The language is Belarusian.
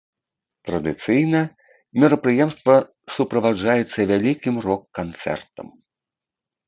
Традыцыйна мерапрыемства суправаджаецца вялікім рок-канцэртам.